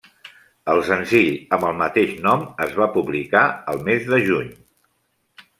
El senzill amb el mateix nom es va publicar el mes de juny.